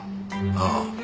ああ。